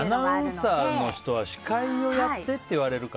アナウンサーの人は司会をやってって言われるか。